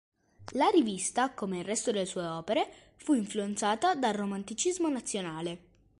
La rivista, come il resto delle sue opere, fu influenzata dal romanticismo nazionale.